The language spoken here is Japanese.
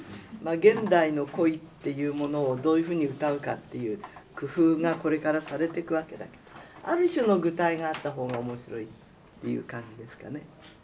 現代の恋っていうものをどういうふうに歌うかという工夫がこれからされてくわけだけどある種の具体があった方が面白いっていう感じですかね。